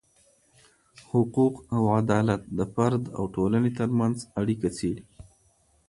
حقوق او عدالت د فرد او ټولني ترمنځ اړیکه څیړې.